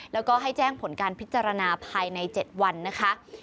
แล้วก็ให้แจ้งผลการพิจารณาภายใน๗วันนะคะ